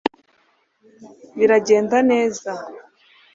biragenda neza